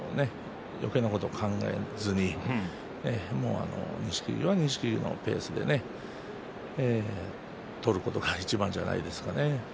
よけいなことを考えずに錦木は錦木のペースで取ることがいちばんじゃないですかね。